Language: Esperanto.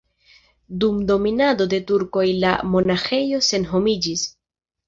Dum dominado de turkoj la monaĥejo senhomiĝis.